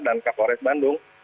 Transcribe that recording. dan kapolres bandung